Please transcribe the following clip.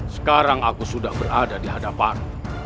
sekarang aku sudah berada di hadapan